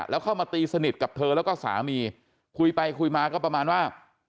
แล้วเข้ามาตีสนิทกับเธอแล้วก็สามีคุยไปคุยมาก็ประมาณว่า